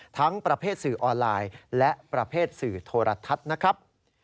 ทั้งประเภทสื่อออนไลน์และประเภทสื่อโทรทัศน์นะครับ